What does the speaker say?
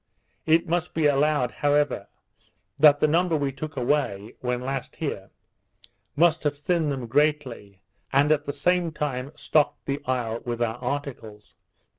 It must be allowed, however, that the number we took away, when last here, must have thinned them greatly, and at the same time stocked the isle with our articles.